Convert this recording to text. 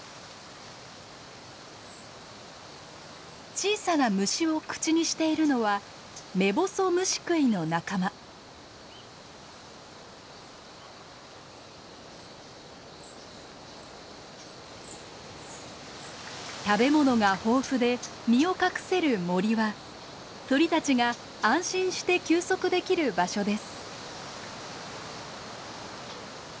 小さな虫を口にしているのは食べ物が豊富で身を隠せる森は鳥たちが安心して休息できる場所です。